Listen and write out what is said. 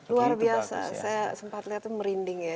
luar biasa saya sempat lihat itu merinding ya